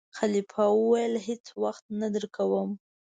خلیفه وویل: هېڅ وخت نه درکووم.